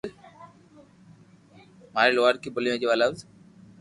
ماري ٻولي لوھارڪي ۾ ايڪ جيوا لفظ